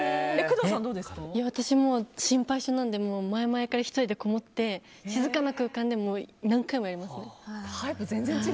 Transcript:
私心配性なので前々から１人でこもって、静かな空間で何回もやります。